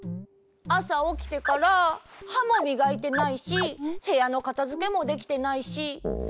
あさおきてからはもみがいてないしへやのかたづけもできてないし。